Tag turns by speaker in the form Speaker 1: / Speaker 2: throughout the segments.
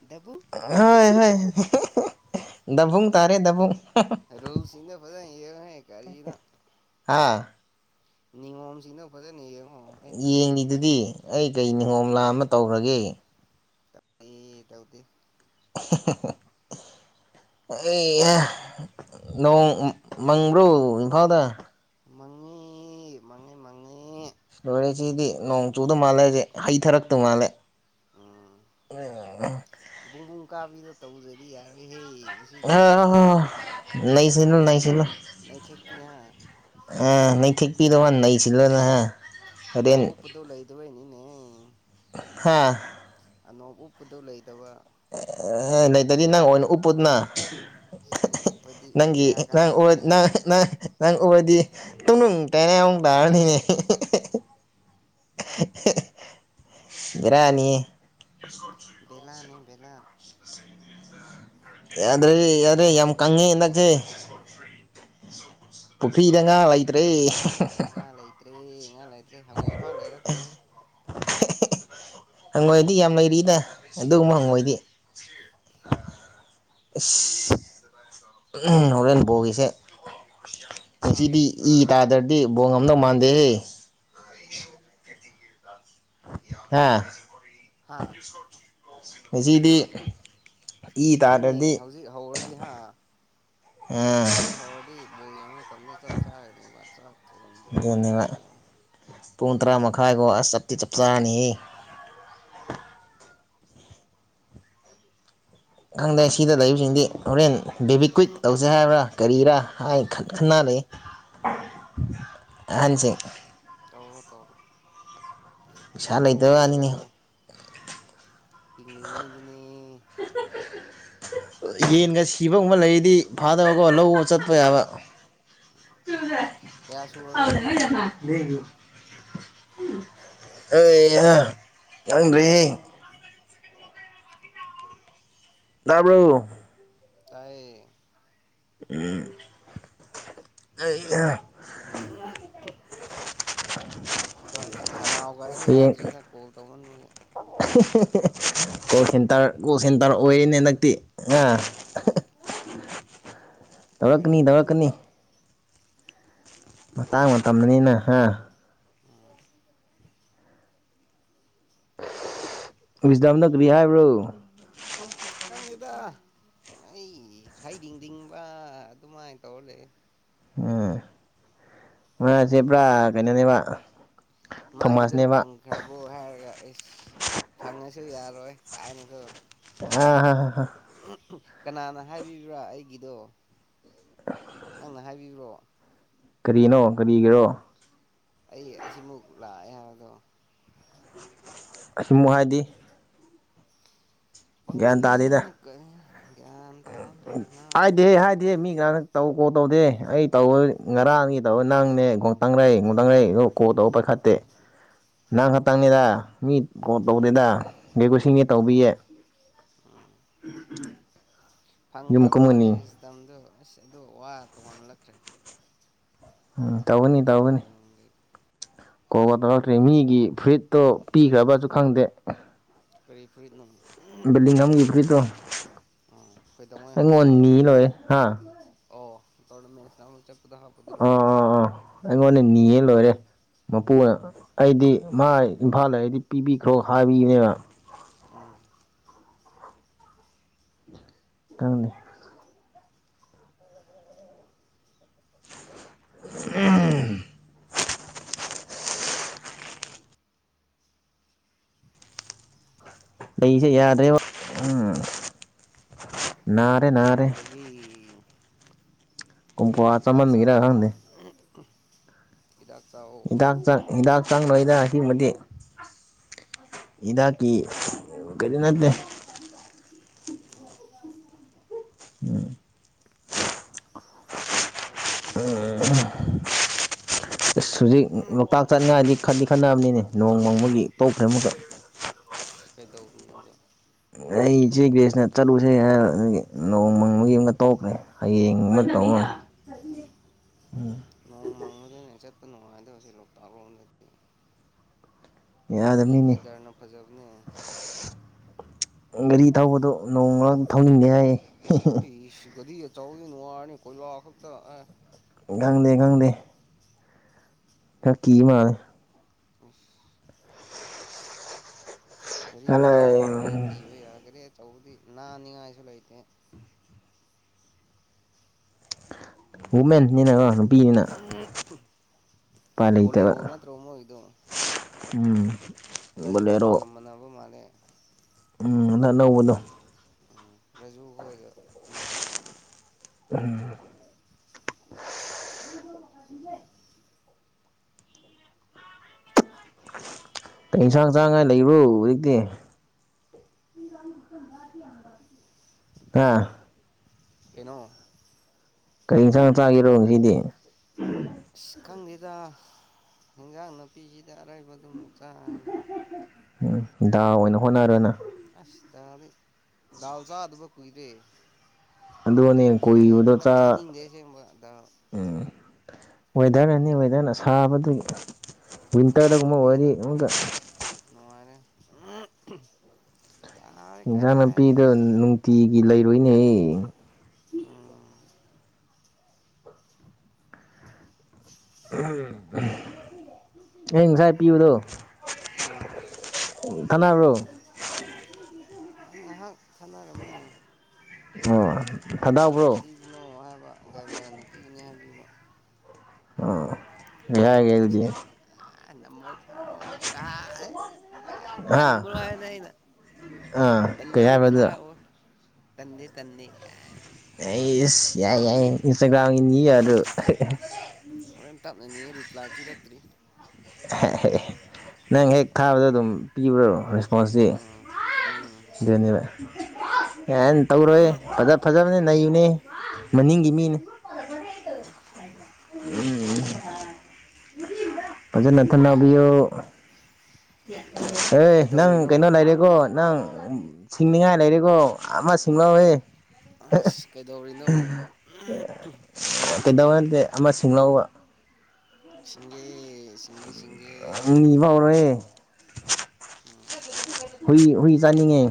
Speaker 1: ꯗꯕꯨ
Speaker 2: ꯍꯣꯏ ꯍꯣꯏ ꯗꯕꯨꯡ ꯇꯥꯔꯦ ꯗꯕꯨꯡ
Speaker 1: ꯔꯣꯘ ꯁꯤꯅꯦ ꯐꯖ
Speaker 2: ꯍꯥꯥ
Speaker 1: ꯅꯤꯡ ꯉꯣꯝꯁꯤꯡꯅꯦ ꯐꯔꯦ
Speaker 2: ꯌꯦꯡꯉꯗꯨꯗꯤ ꯑꯩ ꯀꯩ ꯅꯤꯍꯣꯝ ꯂꯥꯑꯝ ꯑꯃ ꯇꯧꯈꯔꯒꯦ
Speaker 1: [unintelligible]
Speaker 2: ꯑꯦ ꯅꯣꯡ ꯃꯪꯕ꯭ꯔꯣ ꯏꯝꯐꯥꯜꯗ
Speaker 1: ꯃꯉꯤ ꯃꯉꯤ ꯃꯉꯤ
Speaker 2: ꯂꯣꯏꯔꯦꯁꯤꯗꯤ ꯅꯣꯡ ꯆꯨꯗ ꯃꯥꯜꯂꯦꯁꯦ ꯍꯩꯊꯔꯛꯇ ꯃꯥꯜꯂꯦ
Speaker 1: ꯎꯝ
Speaker 2: ꯎꯝ
Speaker 1: ꯕꯨꯡꯕꯨꯡ ꯀꯥꯕꯤꯗꯣ ꯇꯧꯖꯗꯤ ꯌꯥꯔꯣꯏꯍꯦ ꯉꯁꯤꯗꯤ
Speaker 2: [unintelligible] ꯅꯩꯁꯩꯟꯂꯣ
Speaker 1: [unintelligible]
Speaker 2: ꯄꯤꯗꯥꯟ ꯂꯩꯁꯤꯅꯍ
Speaker 1: ꯨꯑꯅꯣꯞ ꯎꯞꯗꯣ ꯂꯩꯗꯅꯤ
Speaker 2: ꯍꯥꯥ
Speaker 1: ꯑꯥꯅꯣꯡ ꯎꯞꯄꯨꯗꯧ ꯂꯩꯇꯕ
Speaker 2: ꯑꯦ ꯂꯩꯇꯗꯤ ꯅꯪ ꯑꯣꯏꯅ ꯎꯞꯄꯨꯗꯅ
Speaker 1: ꯑꯁ ꯑꯩ ꯎꯞꯄꯗꯤ
Speaker 2: ꯅꯪꯒꯤ
Speaker 1: ꯕꯦꯔꯥ ꯀꯥꯅꯤꯍꯦ
Speaker 2: ꯑꯣꯏꯗꯤ ꯇꯨꯡꯅꯨꯡ ꯇꯥꯏꯅ ꯌꯥꯝ ꯇꯥꯅꯤꯅꯦ ꯔꯥꯅꯤꯌꯦ
Speaker 1: ꯕꯂꯥꯅꯤ ꯕꯦꯂꯥ
Speaker 2: ꯌꯥꯗ꯭ꯔꯦ ꯌꯥꯗ꯭ꯔꯦ ꯌꯥꯝ ꯀꯪꯉꯦ ꯍꯟꯗꯛꯁꯦ ꯄꯨꯐꯔꯤꯗ ꯉꯥ ꯂꯩꯇ꯭ꯔꯦ
Speaker 1: ꯉꯥ ꯂꯩꯇ꯭ꯔꯦ ꯉꯥ ꯂꯩꯇ꯭ꯔꯦ ꯍꯪꯉꯣꯏ ꯐꯥꯎ ꯂꯩꯔꯛꯇ꯭ꯔꯦ
Speaker 2: ꯍꯪꯉꯣꯏꯗꯤ ꯌꯥꯝ ꯂꯩꯔꯤꯗ ꯑꯗꯨꯒꯨꯝꯕ ꯍꯪꯉꯣꯏꯗꯤ ꯅꯣꯔꯦꯟ ꯍꯣꯔꯦꯟ ꯕꯣꯜꯒꯤꯁꯦ
Speaker 1: ꯍꯥ
Speaker 2: ꯁꯤꯗꯤ ꯏ ꯇꯔꯗꯥꯗꯤ ꯗꯤ ꯕꯣꯡ ꯉꯝꯗꯧ ꯃꯥꯟꯗꯦꯍꯦ ꯑꯥ
Speaker 1: ꯍꯥ
Speaker 2: ꯉꯁꯤꯗꯤ ꯏ
Speaker 1: ꯑꯗꯨꯅꯦ
Speaker 2: ꯇꯥꯗ꯭ꯔꯗꯤ
Speaker 1: ꯍꯧꯖꯤꯛ ꯍꯧꯔꯗꯤ ꯍꯥ
Speaker 2: ꯑꯥ
Speaker 1: ꯍꯧꯖꯤꯛ ꯍꯧꯔꯗꯤ ꯕꯣ ꯌꯦꯡꯕ ꯃꯇꯝꯗ ꯆꯞ ꯆꯥꯒꯅꯤ ꯋꯥ ꯁꯥꯠꯇꯣ
Speaker 2: ꯑꯗꯨ ꯄꯨꯡ ꯇꯔꯥ ꯃꯈꯥꯏꯒꯣ ꯑꯁ ꯆꯞꯇꯤ ꯆꯞ ꯆꯔꯅꯤ ꯈꯪꯗ꯭ꯔꯦ ꯁꯤꯗ ꯂꯩꯕꯁꯤꯡꯗꯤ ꯍꯣꯔꯦꯟ ꯕꯦꯕꯤꯀ꯭ꯋꯤꯛ ꯇꯧꯁꯦ ꯍꯥꯏꯕ꯭ꯔꯥ ꯀꯔꯤꯔꯥ ꯍꯥꯏ
Speaker 1: ꯎꯝ
Speaker 2: ꯈꯟꯅ ꯂꯩ ꯑꯍꯟꯁꯤꯡ
Speaker 1: ꯇꯧꯔꯣ ꯇꯧꯔꯣ
Speaker 2: ꯄꯩꯁꯥ ꯂꯩꯇꯕ ꯋꯥꯅꯤꯅꯦ
Speaker 1: ꯍꯔꯡꯉꯤꯉꯩꯗꯅꯦ
Speaker 2: ꯌꯦꯟꯒ ꯁꯤꯕꯒꯨꯝꯕ ꯂꯩꯔꯤꯗꯤ ꯐꯥꯗꯕꯀꯣ ꯂꯧꯕ ꯆꯠꯄ ꯌꯥꯕ
Speaker 1: ꯀꯌꯥ ꯁꯨꯔꯒꯦ ꯅꯪꯒꯤ
Speaker 2: [unintelligible] ꯑꯦ ꯈꯪꯗ꯭ꯔꯤ ꯇꯕ꯭ꯔꯣ
Speaker 1: ꯇꯥꯏ
Speaker 2: ꯎꯝ ꯑꯩ [unintelligible]
Speaker 1: ꯈꯅꯥꯎꯒꯁꯦ
Speaker 2: ꯍꯌꯦꯡ
Speaker 1: ꯌꯥꯗ꯭ꯔꯦꯗ ꯀꯣꯜ ꯇꯧꯃꯟꯕꯒꯤ
Speaker 2: ꯀꯣꯜ ꯁꯦꯟꯇꯔ ꯀꯣꯜ ꯁꯦꯟꯇꯔ ꯑꯣꯏꯔꯅꯦ ꯍꯟ ꯅꯛꯇꯤ ꯑꯥ
Speaker 1: ꯎꯝ ꯑꯣꯏꯔꯦ
Speaker 2: ꯇꯧꯔꯛꯀꯅꯤ ꯇꯧꯔꯛꯀꯅꯤ ꯃꯇꯥꯡ ꯃꯇꯝꯗꯅꯤꯅ ꯍꯥ
Speaker 1: ꯎꯝ
Speaker 2: ꯗꯥꯝꯅ ꯀꯔꯤ ꯍꯥꯏꯕ꯭ꯔꯣ
Speaker 1: ꯈꯤꯇꯪꯗꯨꯗ ꯑꯩ ꯍꯩꯗꯤꯡꯗꯤꯡꯕ ꯑꯗꯨꯃꯥꯏꯅ ꯇꯧꯔ ꯂꯩ
Speaker 2: ꯎꯝ ꯉꯁꯦ ꯄꯨꯔꯥ ꯀꯩꯅꯣꯅꯦꯕ
Speaker 1: ꯃꯥꯒꯤꯗꯨ
Speaker 2: ꯊꯣꯃꯥꯁꯅꯦꯕ
Speaker 1: ꯐꯪꯈ꯭ꯔꯕꯣ ꯍꯥꯏꯔꯒ ꯑꯦꯁ ꯐꯪꯉꯁꯤ ꯌꯥꯔꯣꯏ ꯀꯥꯏꯅꯀꯣꯏ
Speaker 2: ꯍꯥ ꯍꯥ
Speaker 1: ꯀꯅꯥꯅ ꯍꯥꯏꯕꯤꯕ꯭ꯔꯥ ꯑꯩꯒꯤꯗꯣ ꯅꯪꯅ ꯍꯥꯏꯕꯤꯕ꯭ꯔꯣ
Speaker 2: ꯀꯔꯤꯅꯣ ꯀꯔꯤꯒꯤꯔꯣ
Speaker 1: ꯑꯩ ꯑꯁꯤꯃꯨꯛ ꯂꯥꯛꯑꯦ ꯍꯥꯏꯗꯣ
Speaker 2: ꯀꯩꯁꯨꯝ ꯍꯥꯏꯗꯤ
Speaker 1: ꯄꯪꯃꯜ
Speaker 2: ꯒ꯭ꯌꯥꯟ
Speaker 1: ꯂꯩꯍꯦ
Speaker 2: ꯇꯥꯗꯦꯗ
Speaker 1: ꯑꯪꯁꯨ ꯀꯔꯤꯅꯣ ꯒꯌꯥꯟ ꯇꯧ ꯅꯥꯕꯥ
Speaker 2: ꯏꯔꯥꯡ ꯅꯛ ꯇꯧ ꯀꯣꯜ ꯇꯧꯗꯦ ꯑꯩ ꯇꯧꯕ ꯉꯔꯥꯡꯅꯤ ꯇꯧ ꯅꯪꯅꯦ ꯇꯪꯔꯛꯩ ꯒꯇꯪꯔꯛꯏ ꯑ ꯀꯣꯜ ꯇꯧꯕ ꯄꯥꯏꯈꯠꯇꯦ ꯅꯪ ꯈꯛꯇꯪꯅꯦꯗ ꯃꯤ ꯀꯣꯜ
Speaker 1: ꯎꯝ
Speaker 2: ꯇꯥꯎꯗꯗ [unintelligible] ꯊꯤꯡꯉꯦ ꯇꯧꯕꯤꯌꯦ ꯎꯝ ꯎꯝ
Speaker 1: ꯐꯪꯈ꯭ꯔ ꯃꯥꯂꯦ ꯔꯁꯇꯝꯗꯣ ꯑꯁ ꯑꯗꯣ ꯋꯥ ꯇꯣꯉꯥꯜꯂꯛꯈ꯭ꯔꯦ
Speaker 2: ꯎꯝ ꯇꯧꯒꯅꯤ ꯇꯧꯒꯅꯤ
Speaker 1: ꯈꯣꯏꯔꯣꯡꯒꯤ
Speaker 2: ꯀꯣꯜꯒ ꯇꯧꯔꯛꯇ꯭ꯔꯦ ꯃꯤꯒꯤ ꯐꯨꯔꯤꯠꯇꯣ ꯄꯤꯈ꯭ꯔꯕꯁꯨ ꯈꯪꯗꯦ
Speaker 1: ꯀꯔꯤ ꯐꯨꯔꯤꯠ ꯅꯣ
Speaker 2: ꯕꯂꯤꯉꯝꯒꯤ ꯐꯨꯔꯤꯠꯇꯣ
Speaker 1: ꯎꯝ ꯀꯩꯗꯧꯉꯩ ꯍꯥꯞꯄ
Speaker 2: ꯑꯩꯉꯣꯟꯅꯤ ꯂꯣꯏꯔꯦ
Speaker 1: [unintelligible] ꯆꯠꯄꯗ ꯍꯥꯞꯄꯗꯨꯔꯣ
Speaker 2: ꯑꯥ ꯑꯥ ꯑꯥ ꯑꯩꯉꯣꯟꯗ ꯅꯤꯌꯦ ꯂꯣꯏꯔꯦ ꯃꯄꯨꯅ ꯑꯩꯗꯤ ꯃꯥ ꯏꯝꯐꯥꯜꯗ ꯂꯩꯗꯤ ꯄꯤꯕꯤꯈ꯭ꯔꯣ ꯍꯥꯏꯕꯅꯤꯅ
Speaker 1: ꯑꯣ
Speaker 2: ꯈꯪꯗꯦ ꯎꯝ ꯂꯩꯁꯦ ꯌꯥꯗ꯭ꯔꯦꯕ ꯎꯝ ꯅꯥꯔꯦ
Speaker 1: ꯀꯩꯗꯧꯔꯒꯦ
Speaker 2: ꯀꯨꯝ ꯀꯋꯥ
Speaker 1: ꯍꯤꯗꯥꯛ
Speaker 2: ꯆꯃꯟꯒꯤꯔ
Speaker 1: ꯆꯥꯎꯅꯦ
Speaker 2: ꯈꯪꯗꯦ
Speaker 1: [inaudible] ꯆꯥꯎ
Speaker 2: ꯍꯤꯗꯥꯛ ꯆꯪ ꯍꯤꯗꯥꯛ ꯆꯪꯉꯣꯏꯗ ꯑꯁꯤꯒꯨꯝꯕꯗꯤ ꯍꯤꯗꯥꯛꯀꯤ ꯀꯔꯤ ꯅꯠꯇꯦ
Speaker 1: ꯎꯝ
Speaker 2: ꯎꯝ ꯑꯁ ꯍꯧꯖꯤꯛ ꯂꯣꯛꯇꯥꯛ ꯆꯥꯠꯅꯤꯡꯉꯥꯏꯗꯤ ꯈꯟꯗꯤ ꯈꯟꯅꯕꯅꯤꯅꯦ ꯅꯣꯡ ꯃꯪꯕꯒꯤ ꯇꯣꯛꯈ꯭ꯔꯦ ꯑꯃꯛꯀ
Speaker 1: ꯀꯩꯗꯧꯔꯨꯅꯕ
Speaker 2: ꯑꯩꯆꯦ ꯒꯦꯁꯅ ꯆꯠꯂꯨꯁꯦ ꯍꯥꯏꯕꯗꯨꯒꯤ ꯅꯣꯡ ꯃꯪꯕꯒꯤ ꯑꯃꯒ ꯇꯣꯛꯈ꯭ꯔꯦ ꯍꯌꯦꯡ ꯑꯃꯛ ꯇꯧꯔ
Speaker 1: ꯅꯣꯡꯃꯪꯕꯗꯅꯦ ꯆꯠꯄ ꯅꯨꯡꯉꯥꯏꯗꯕꯁꯦ ꯂꯣꯛꯇꯥꯛ ꯂꯣꯝꯗꯗꯤ ꯐꯣꯒꯤ
Speaker 2: ꯌꯥꯗꯕꯅꯤꯅꯦ
Speaker 1: ꯋꯦꯗꯔꯅ ꯐꯖꯕꯅꯦ
Speaker 2: ꯒꯥꯔꯤ ꯊꯧꯕꯗꯣ ꯅꯣꯡ ꯃꯔꯛ ꯊꯧꯅꯤꯡꯗꯦ ꯍꯥꯏꯌꯦ
Speaker 1: ꯏꯁ ꯒꯔꯤꯒ ꯑꯆꯧꯕꯗꯤ ꯅꯨꯡꯉꯔꯅꯤ ꯀꯣꯏꯂꯥ ꯈꯛꯇ
Speaker 2: ꯈꯪ ꯗꯦ ꯈꯪꯗꯦ ꯈꯔ ꯀꯤ ꯃꯥꯂꯦ
Speaker 1: ꯎꯐ ꯒꯔꯤ ꯃꯆꯥ ꯑꯣꯏꯔꯗꯤ ꯀꯤꯕꯌꯥꯏ ꯒꯥꯔꯤ ꯑ ꯆꯧꯕꯗꯤ ꯅꯥꯟꯅꯤꯉꯥꯏꯁꯨ ꯂꯩꯇꯦ
Speaker 2: ꯋꯨꯨꯃꯦꯟꯅꯤꯅ ꯅꯨꯄꯤꯅꯤꯅ ꯎꯄꯥꯏ ꯂꯩꯇꯕ
Speaker 1: ꯕꯣꯂꯦꯔꯣ ꯅꯠꯇ꯭ꯔꯣ
Speaker 2: ꯎꯝ ꯕꯣꯂꯦꯔꯣ
Speaker 1: ꯔꯥꯖꯨꯈꯣꯏꯒ ꯃꯥꯟꯅꯕ ꯃꯥꯜꯂꯦ
Speaker 2: ꯎꯝ ꯍꯟꯗꯛ ꯑꯅꯧꯕꯗꯣ
Speaker 1: ꯔꯥꯖꯨ ꯈꯣꯏꯒ ꯃꯅꯩꯌꯦꯕ
Speaker 2: ꯎꯝ [unintelligible] ꯀꯩ ꯏꯟꯁꯥꯡ ꯆꯥꯡꯉꯥꯏ ꯂꯩꯕꯔꯣ ꯍꯧꯖꯤꯛꯇꯤ ꯍꯥ
Speaker 1: ꯀꯩꯅꯣ
Speaker 2: ꯀꯔꯤ ꯏꯟꯁꯥꯡ ꯆꯥꯒꯤꯔꯣ ꯉꯁꯤꯗꯤ
Speaker 1: [unintelligible] ꯈꯪꯗꯦꯗ ꯏꯟꯖꯥꯡ ꯅꯥꯄꯤꯁꯤꯗ ꯑꯔꯥꯏꯕ ꯑꯗꯨꯝ ꯆꯥꯔꯅꯤ
Speaker 2: ꯎꯝ ꯗꯥꯜ ꯑꯣꯏꯅ ꯍꯣꯠꯅꯔꯣ ꯅꯪ
Speaker 1: ꯑꯁ ꯗꯥꯜꯗꯤ ꯗꯥꯜ ꯆꯥꯗꯥꯕ ꯀꯨꯏꯔꯦ
Speaker 2: ꯑꯗꯨꯅꯦ
Speaker 1: ꯂꯩꯕꯨꯗꯤ ꯂꯩ
Speaker 2: ꯀꯨꯏꯕꯗꯣ
Speaker 1: ꯍꯟꯗꯛ
Speaker 2: ꯆꯥ
Speaker 1: ꯆꯥꯅꯤꯡꯗꯦ ꯑꯁꯦꯡꯕ
Speaker 2: ꯋꯦꯗꯔꯅꯅꯤ ꯋꯦꯗꯔꯅ ꯁꯥꯕꯗꯨꯒꯤ
Speaker 1: ꯏꯟꯖꯥꯡ
Speaker 2: ꯋꯤꯟꯇꯔꯗꯒꯨꯝꯕ
Speaker 1: ꯅꯥꯄꯤꯅ
Speaker 2: ꯑꯣꯏꯔꯗꯤ ꯑꯃꯨꯛꯀ
Speaker 1: ꯈꯔ ꯅꯨꯡꯉꯥꯏꯔꯦ [unintelligible]
Speaker 2: ꯏꯟꯁꯥꯡ
Speaker 1: ꯀꯗꯥꯏꯗꯩ
Speaker 2: ꯅꯥꯄꯤꯗ
Speaker 1: ꯑꯁ
Speaker 2: ꯅꯨꯡꯇꯤꯒꯤ ꯂꯩꯕ ꯂꯨꯏꯅꯦꯍꯦ
Speaker 1: ꯎꯝ
Speaker 2: ꯑꯩ ꯉꯁꯥꯏ ꯄꯤꯕꯗꯣ
Speaker 1: ꯎꯝ
Speaker 2: ꯊꯅꯥꯕ꯭ꯔꯣ
Speaker 1: ꯉꯥꯏꯍꯥꯛ ꯊꯥꯟꯅꯔꯝꯃꯦ
Speaker 2: ꯑꯣ
Speaker 1: ꯀꯅꯥꯅꯣ
Speaker 2: ꯊꯥꯗꯥꯎꯕ꯭ꯔꯣ
Speaker 1: ꯄꯤꯕꯅꯣ ꯍꯥꯏꯕ ꯒꯥꯏꯂꯥꯅ ꯄꯤꯕꯅꯦ ꯍꯥꯏꯕꯤꯕ
Speaker 2: ꯑ ꯌꯥꯍꯦ ꯑꯗꯨꯗꯤ
Speaker 1: ꯁꯦꯔ ꯅꯝꯕꯔ ꯊꯥꯔꯛꯑꯣ ꯀꯥꯏꯅ
Speaker 2: ꯍꯥ
Speaker 1: ꯇꯟꯕꯒꯥꯏ ꯑꯩꯅ
Speaker 2: ꯑꯥ ꯀꯩ ꯍꯥꯏꯕ ꯑꯗꯨꯗ
Speaker 1: ꯇꯟꯗꯦ ꯇꯟꯗꯦ ꯀꯥꯏꯅ
Speaker 2: ꯑꯩꯁ ꯌꯥꯏ ꯌꯥꯏ ꯏꯟꯁꯇꯥꯒ꯭ꯔꯝ ꯑꯗꯨ
Speaker 1: ꯍꯣꯔꯦꯟ ꯇꯞꯅꯅꯤꯡꯉꯦ ꯔꯤꯄ꯭ꯂꯥꯏ ꯄꯤꯔꯛꯇ꯭ꯔꯤ
Speaker 2: ꯅꯪ ꯍꯦꯛ ꯊꯥꯕꯗ ꯑꯗꯨꯝ ꯄꯤꯕ꯭ꯔꯣ ꯃꯁꯤ
Speaker 1: ꯎꯝ ꯎꯝ
Speaker 2: ꯁꯤꯅꯅꯤ [inaudible] ꯌꯥꯍꯥꯏꯅ ꯇꯧꯔꯣꯏ ꯐꯖ ꯐꯖꯕꯅꯤꯅ ꯂꯩꯅꯦ ꯃꯅꯤꯡꯒꯤ ꯃꯤꯅꯦ ꯎꯝ ꯐꯖ ꯅꯠꯇꯅꯕꯤꯌꯣ ꯍ ꯅꯪ
Speaker 1: ꯀꯩꯗꯧꯔꯤꯅꯣ
Speaker 2: ꯀꯩꯅꯣ ꯂꯩꯔꯦꯀꯣ ꯅꯪ ꯁꯤꯡꯅꯤꯡꯉꯥꯏ ꯂꯩꯔꯤꯕꯣ ꯑꯃ ꯉꯋꯦ
Speaker 1: ꯑꯁ ꯀꯩꯗꯧꯔꯤꯅꯣ
Speaker 2: ꯀꯦꯗ [unintelligible] ꯁꯨꯡꯂꯥꯎ
Speaker 1: ꯁꯤꯡꯒꯦ ꯁꯤꯡꯉꯦ ꯁꯤꯡ
Speaker 2: ꯃꯤꯕꯥꯎꯔꯦ [inaudible]
Speaker 1: ꯎꯝ
Speaker 2: ꯍꯨꯏ ꯍꯨꯏ ꯆꯥꯅꯤꯡꯉꯦ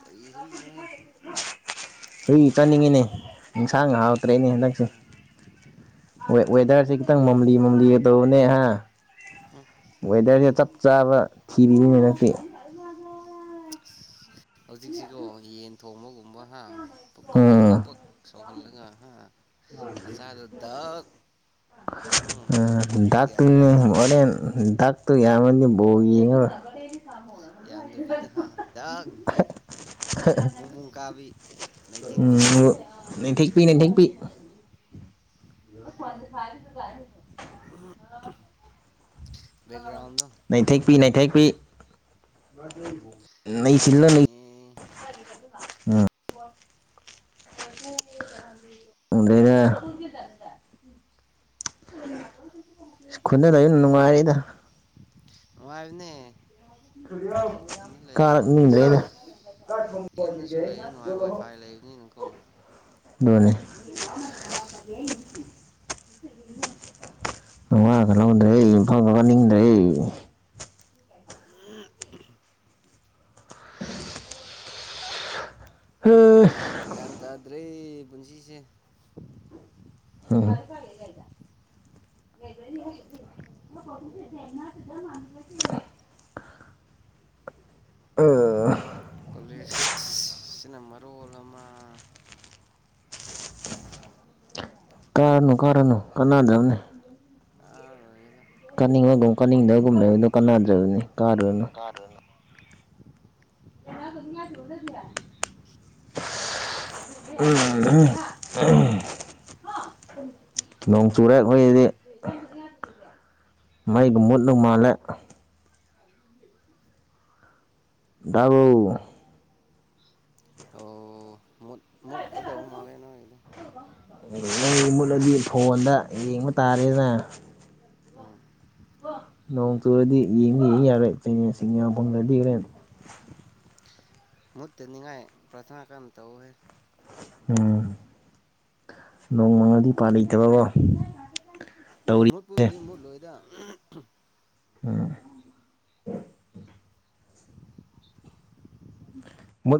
Speaker 1: ꯀꯔꯤ ꯍꯏꯅꯍꯦ
Speaker 2: ꯍꯨꯏ ꯆꯥꯅꯤꯡꯉꯤꯅꯦ ꯏꯟꯁꯥꯡ ꯉꯍꯥꯛꯥꯎ ꯇꯔꯦꯠꯅꯦ ꯍꯟꯗꯛꯁꯦ ꯋꯦꯗꯔꯁꯦ ꯈꯤꯇꯪ ꯃꯝꯂꯤ ꯃꯝꯂꯤ ꯑꯗꯣ ꯄꯨꯅꯦꯍ ꯋꯦꯗꯔꯁꯦ ꯆꯞ ꯆꯥꯕ ꯊꯤꯔꯤꯅꯤ ꯍ ꯅꯛꯇꯤ [unintelligible] ꯗꯣ
Speaker 1: ꯍꯧꯖꯤꯛꯁꯤꯀꯣ ꯌꯦꯟ ꯊꯣꯡꯕꯒꯨꯝꯕ ꯍꯥ ꯛ ꯕ ꯥꯛ ꯇꯧꯍꯜꯂꯒ ꯍꯥ ꯃꯆꯥꯗꯣ ꯗꯛ ꯎꯝ ꯒ꯭ꯌꯥꯟ ꯇꯥꯅꯤ
Speaker 2: ꯗꯣꯔꯦꯟ ꯗ ꯑꯗꯨ ꯌꯥꯝꯉꯅꯤ ꯕꯣ ꯌꯦꯡꯉꯒ
Speaker 1: ꯌꯥꯝꯗꯕꯤꯗ ꯨꯡꯕꯨꯡ ꯀꯥꯕꯤ ꯅꯩꯊꯦꯛꯄꯤ
Speaker 2: ꯎꯝ ꯊꯦꯛꯄꯤ ꯅ ꯊꯦꯛꯄꯤ [inaudible]
Speaker 1: [inaudible] ꯕꯦꯛꯒ꯭ꯔꯥꯎꯗꯣ
Speaker 2: ꯄꯤ ꯅꯩꯊꯦꯛꯄꯤ ꯅꯩꯁꯤꯜꯂ ꯂꯩ
Speaker 1: ꯊꯦꯛꯄꯤꯅꯦ
Speaker 2: ꯎꯝ ꯎꯗꯒꯤꯅꯦ [unintelligible] ꯈꯨꯅꯗ ꯂꯩꯅ ꯅꯨꯡꯉꯥꯏꯅꯤꯗ
Speaker 1: ꯅꯨꯉꯥꯏꯕꯅꯦ ꯂꯩꯗꯅ ꯑꯁ
Speaker 2: ꯀꯥꯔꯛꯅꯤꯡꯗ꯭ꯔꯦꯗ
Speaker 1: ꯌꯨꯝꯗꯁꯨ ꯂꯩꯔꯅꯨ ꯍꯥꯏ ꯋꯥꯏꯐꯥꯏ ꯂꯩꯕꯅꯤꯅꯀꯣ
Speaker 2: ꯑꯗꯨꯅꯤ
Speaker 1: ꯑꯁ
Speaker 2: [unintelligible]
Speaker 1: ꯒꯌ꯭ꯥꯟ ꯇ ꯗꯔ꯭ꯦ ꯄꯨꯨꯟꯁꯤꯁꯦ
Speaker 2: ꯍ
Speaker 1: ꯀꯣꯂꯦꯁ ꯁꯤꯅ ꯃꯔꯣꯜ ꯑꯃ
Speaker 2: ꯀꯥꯟꯅꯥꯗꯕꯅꯤ
Speaker 1: ꯀꯔꯣꯏꯒꯦꯗꯥ
Speaker 2: ꯒꯨꯝ ꯀꯥꯅꯤꯡꯗꯕꯒꯨꯝ ꯂꯩꯕꯗꯣ ꯀꯥꯟꯅꯗ꯭ꯔꯕꯅꯤ ꯀꯥꯔꯨꯅꯣ
Speaker 1: [unintelligible]
Speaker 2: ꯎꯝ ꯎꯝ ꯅꯣꯡ ꯆꯨꯔꯦ ꯑꯩꯈꯣꯏꯗꯤ ꯃꯩꯒ ꯃꯨꯠꯂ ꯃꯥꯜꯂꯦ ꯗꯕꯣ
Speaker 1: ꯑꯣ ꯃꯨꯠ ꯃꯨꯠ ꯀꯗ ꯃꯥꯂꯦ ꯅꯣꯏꯗ
Speaker 2: ꯅꯪꯒꯤ ꯃꯨꯠꯂꯗꯤ ꯐꯣꯟꯗ ꯌꯦꯡꯕ ꯇꯥꯔꯦꯅ
Speaker 1: ꯎꯝ
Speaker 2: ꯅꯣꯡ ꯆꯨꯔꯗꯤ ꯌꯦꯡ ꯌꯦꯡ ꯌꯥꯔꯦ ꯆꯉꯁꯤꯡ ꯌꯥꯝ ꯐꯪꯗꯗꯤꯈ꯭ꯔꯦ
Speaker 1: ꯃꯨꯇꯅꯤꯉꯥꯏ ꯄꯔꯊꯅꯥ ꯀꯟ ꯇꯎꯍꯦ
Speaker 2: ꯎꯝ ꯅꯣꯡꯃꯉꯥꯗꯤ ꯄꯥ ꯂꯩꯇꯕꯀꯣ ꯇꯧꯔꯤꯁꯦ
Speaker 1: ꯃꯨꯠꯄꯨꯗꯤ ꯃꯨꯠꯂꯣꯏꯗ ꯎꯝ
Speaker 2: ꯎꯃꯝ [unintelligible]